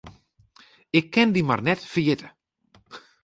Ik kin dy mar net ferjitte.